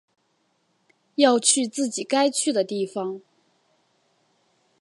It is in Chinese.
要去自己该去的地方